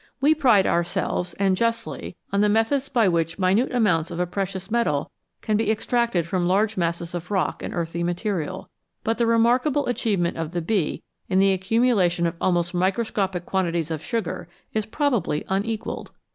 We pride our selves, and justly, on the methods by 'which minute amounts of a precious metal can be extracted from large masses of rock and earthy material, but the remarkable achievement of the bee in the accumulation of almost microscopic quantities of sugar is probably unequalled.